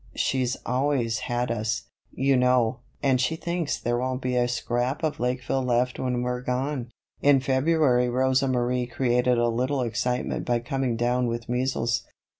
She's always had us, you know, and she thinks there won't be a scrap of Lakeville left when we're gone." In February Rosa Marie created a little excitement by coming down with measles.